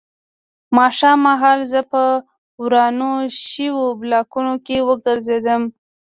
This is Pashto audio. ماښام مهال زه په ورانو شویو بلاکونو کې وګرځېدم